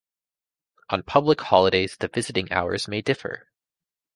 On public holidays the visiting hours may differ.